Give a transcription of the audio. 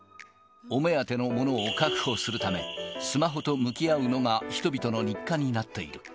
お目当ての物を確保するため、スマホと向き合うのが人々の日課になっている。